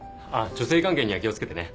女性関係には気を付けてね。